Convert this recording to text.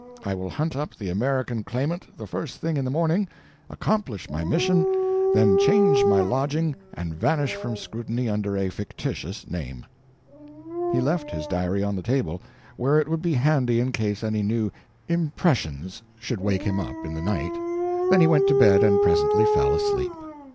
I will hunt up the American Claimant the first thing in the morning, accomplish my mission, then change my lodging and vanish from scrutiny under a fictitious name." He left his diary on the table, where it would be handy in case any new "impressions" should wake him up in the night, then he went to bed and presently fell asleep.